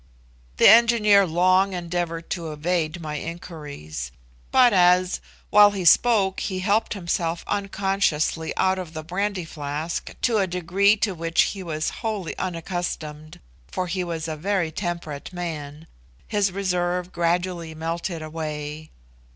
The engineer long endeavoured to evade my inquiries; but as, while he spoke, he helped himself unconsciously out of the brandy flask to a degree to which he was wholly unaccustomed, for he was a very temperate man, his reserve gradually melted away.